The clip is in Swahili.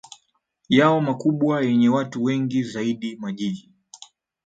yao makubwa yenye watu wengi zaidi Majiji